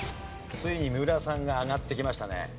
ついに三浦さんが上がってきましたね。